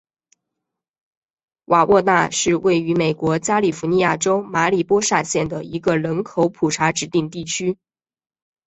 瓦沃纳是位于美国加利福尼亚州马里波萨县的一个人口普查指定地区。